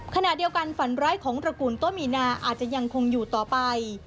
ขณะเดียวกันฝันร้ายของตระกูลโตมีนาอาจจะยังคงอยู่ต่อไป